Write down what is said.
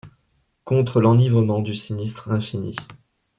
Contre l’enivrement du sinistre infini